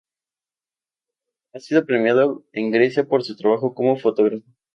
Ha sido premiado en Grecia por su trabajo como fotógrafo.